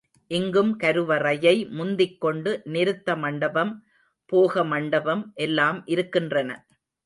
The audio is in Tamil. இங்கும் கருவறையை முந்திக் கொண்டு நிருத்த மண்டபம், போக மண்டபம் எல்லாம் இருக்கின்றன.